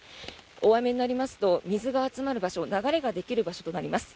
大雨になりますと水が集まる場所流れができる場所となります。